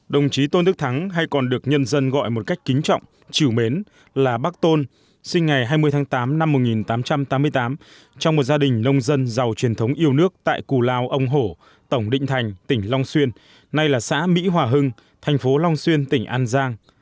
đồng chí tôn đức thắng hay còn được nhân dân gọi một cách kính trọng chiều mến là bắc tôn sinh ngày hai mươi tháng tám năm một nghìn tám trăm tám mươi tám trong một gia đình nông dân giàu truyền thống yêu nước tại cù lao ông hổ tổng định thành tỉnh long xuyên nay là xã mỹ hòa hưng thành phố long xuyên tỉnh an giang